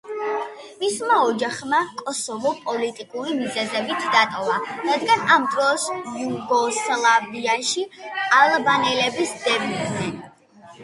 მისმა ოჯახმა კოსოვო პოლიტიკური მიზეზებით დატოვა, რადგან ამ დროს იუგოსლავიაში ალბანელების დევნიდნენ.